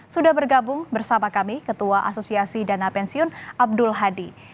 sudah bergabung bersama kami ketua asosiasi dana pensiun abdul hadi